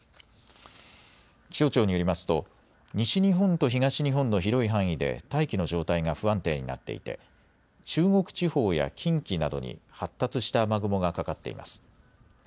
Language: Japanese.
気象庁によりますと西日本と東日本の広い範囲で大気の状態が不安定になっていて中国地方や近畿などに発達した雨雲がかかっています。